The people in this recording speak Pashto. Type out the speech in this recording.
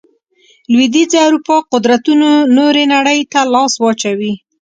لوېدیځې اروپا قدرتونو نورې نړۍ ته لاس واچوي.